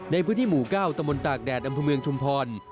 ในพื้นที่หมู่๙ตะมนตากแดดอำเภอเมืองชุมพร